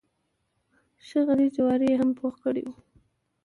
ښه غلي جواري یې هم پوخ کړی و.